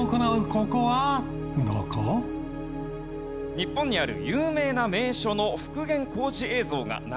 日本にある有名な名所の復元工事映像が流れます。